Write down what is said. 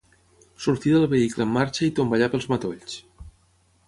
Sortí del vehicle en marxa i tomballà pels matolls.